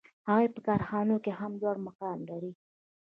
هغوی په کارخانو کې هم لوړ مقام لري